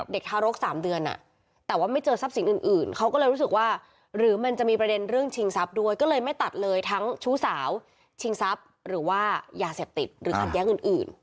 ทารก๓เดือนแต่ว่าไม่เจอทรัพย์สินอื่นเขาก็เลยรู้สึกว่าหรือมันจะมีประเด็นเรื่องชิงทรัพย์ด้วยก็เลยไม่ตัดเลยทั้งชู้สาวชิงทรัพย์หรือว่ายาเสพติดหรือขัดแย้งอื่น